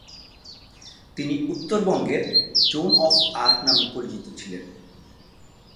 তিনি উত্তরবঙ্গের 'Joan of Arc' নামে পরিচিত ছিলেন।